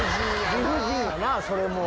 理不尽やなそれも。